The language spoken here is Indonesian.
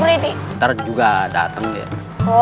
oh dia itu belum datang dek